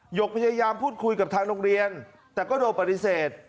หกพยายามพูดคุยกับทางโรงเรียนแต่ก็โดนปฏิเสธ